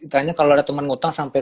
tanya kalo ada temen ngutang sampai